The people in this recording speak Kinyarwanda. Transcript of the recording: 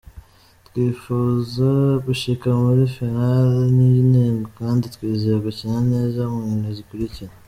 "Twipfuza gushika muri "finale", niyo ntego kandi twizeye gukina neza mu nkino zikurikira.